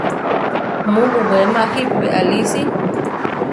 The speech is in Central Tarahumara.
Mu buwéma jípi beʼalí si.